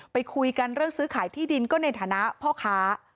ไปคุยกันเรื่องซื้อขายที่ดินก็ในฐานะพ่อค้า